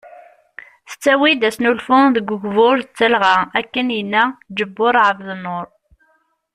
Tettawi-d asnulfu deg ugbur d talɣa ,akken yenna Ǧebur Ɛebdnur.